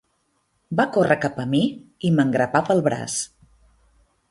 Va córrer cap a mi i m'engrapà pel braç.